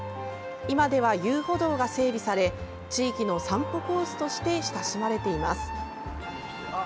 今では遊歩道が整備され地域の散歩コースとして親しまれています。